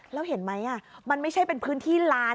แล้วเห็นมั้ยอ่ะมันไม่ใช่เป็นพื้นที่ลาน